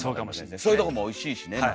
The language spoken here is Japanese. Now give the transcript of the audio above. そういうとこもおいしいしね。